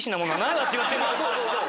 そうそうそう。